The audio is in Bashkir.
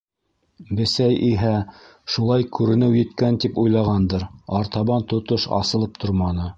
Бесәй иһә шулай күренеү еткән тип уйлағандыр, артабан тотош асылып торманы.